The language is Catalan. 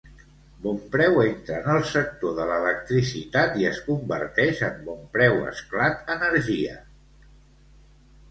Bon Preu entra al sector de l'electricitat i es converteix en BonpreuEsclat Energia.